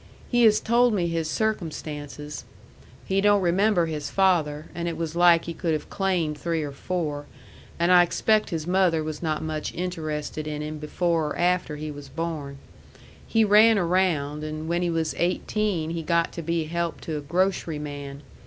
He has told me his circumstances. He don't remember his father, and it was like he could have claimed three or four. And I expect his mother was not much interested in him before or after he was born. He ran around, and when he was eighteen he got to be help to a grocery man.